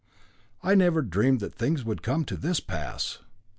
] "I never dreamed that things would come to this pass."